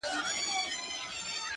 نه به زه یم نه به ته نه دا وطن وي!!